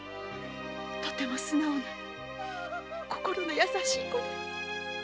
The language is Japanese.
とても素直な心の優しい子で。